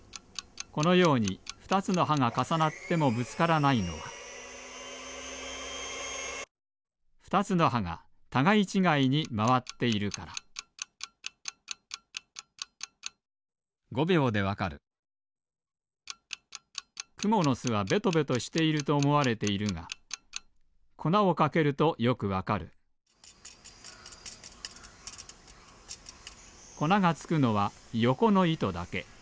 このように２つのはがかさなってもぶつからないのは２つのはがたがいちがいにまわっているからくものすはベトベトしているとおもわれているがこなをかけるとよくわかるこながつくのはよこのいとだけ。